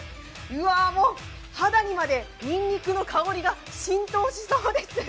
もう肌にまでにんにくの香りが浸透しそうです